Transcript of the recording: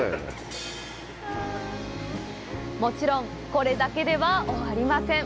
もちろん、これだけでは終わりません！